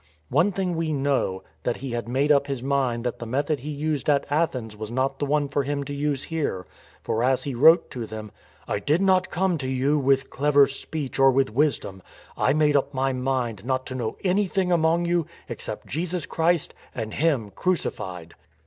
One thing we know, that he had made up his mind that the method he used at Athens was not the one for him to use here. For as he wrote to them :" I. did riot come to you with clever speech or with wisdom. I made up my mind not to know anything among you except Jesus Christ and Him crucified."